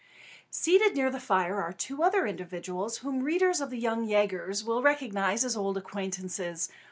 Seated near the fire are two other individuals, whom the readers of The Young Yagers will recognise as old acquaintances.